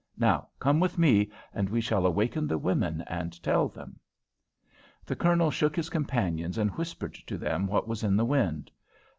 Now come with me, and we shall awaken the women and tell them." The Colonel shook his companions and whispered to them what was in the wind.